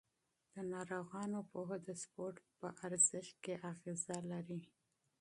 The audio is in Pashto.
د ناروغانو پوهه د سپورت په اهمیت کې اغېزه لري.